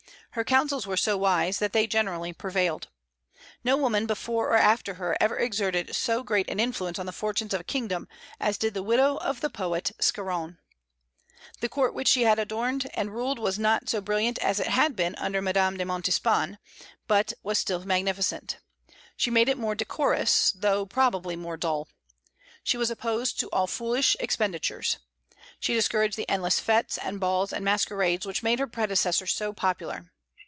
Her counsels were so wise that they generally prevailed. No woman before or after her ever exerted so great an influence on the fortunes of a kingdom as did the widow of the poet Scarron. The court which she adorned and ruled was not so brilliant as it had been under Madame de Montespan, but was still magnificent. She made it more decorous, though, probably more dull. She was opposed to all foolish, expenditures. She discouraged the endless fêtes and balls and masquerades which made her predecessor so popular.